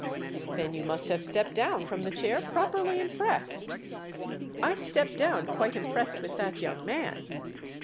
"Then you must have stepped down from the chair properly impressed." "I stepped down quite impressed with that young man."